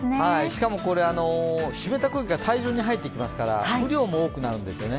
しかも湿った空気が大量に入ってきますから雨量も多くなるんですよね。